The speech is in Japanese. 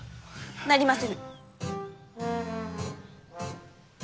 なりませぬ！